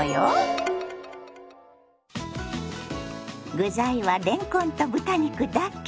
具材はれんこんと豚肉だけ！